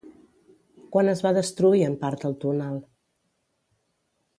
Quan es va destruir en part el túnel?